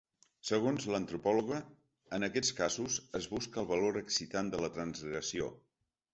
Segons l’antropòloga, en aquests casos es busca el valor excitant de la transgressió.